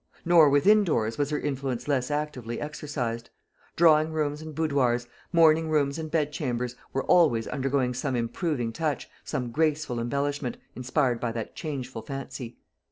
Nor within doors was her influence less actively exercised. Drawing rooms and boudoirs, morning rooms and bedchambers, were always undergoing some improving touch, some graceful embellishment, inspired by that changeful fancy.